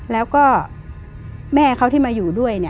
แล้วก็แม่เขาที่มาอยู่ด้วย